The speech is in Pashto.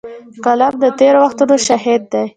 قلم د تېر وختونو شاهد دی